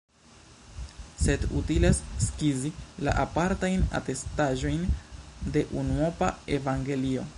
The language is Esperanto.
Sed utilas skizi la apartajn atestaĵojn de unuopa evangelio.